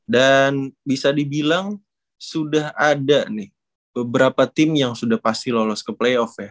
dan bisa dibilang sudah ada nih beberapa tim yang sudah pasti lolos ke playoff ya